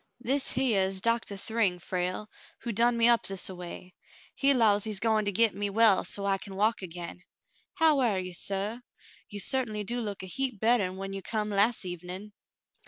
"This hyar is Doctah Thryng, Frale, who done me up this a way. He 'lows he's goin' to git me well so's I can walk again. How air you, suh ? You certainly do look a heap better 'n when you come las' evenin'."